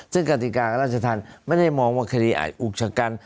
ซึ่งกติการาชธรรมไม่ได้มองว่าคดีอาจอุกชะกัน